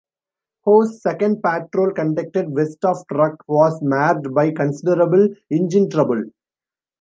"Hoe"'s second patrol, conducted west of Truk, was marred by considerable engine trouble.